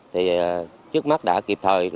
trước mắt đã kịp thời